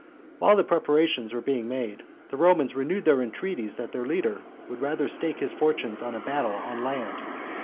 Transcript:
While the preparations were being made, the Romans renewed their entreaties that their leader would rather stake his fortunes on a battle on land.